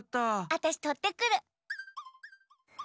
あたしとってくる！